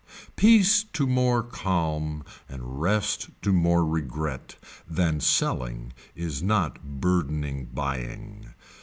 Peace to more calm, and rest to more regret that selling is not burdening buying.